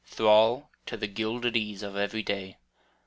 Thrall to the gilded ease Of every day.